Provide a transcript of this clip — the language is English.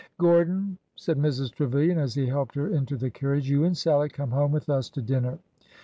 Gordon," said Mrs. Trevilian, as he helped her into the carriage, you and Sallie come home with us to din ner.